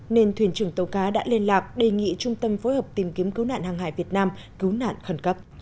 nên thuyền trưởng tàu cá đã liên lạc đề nghị trung tâm phối hợp tìm kiếm cứu nạn hàng hải việt nam cứu nạn khẩn cấp